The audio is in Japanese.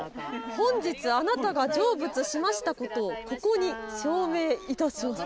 「本日あなたが成仏しましたことをここに証明いたします」。